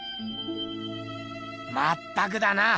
まったくだな。